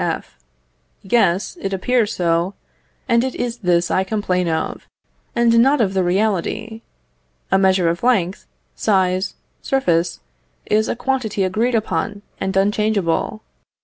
F. Yes, it appears so, and it is this I complain of, and not of the reality. A measure of length, size, surface, is a quantity agreed upon, and unchangeable.